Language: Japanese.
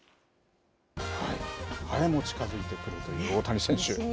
ハエも近づいてくるという大谷選手。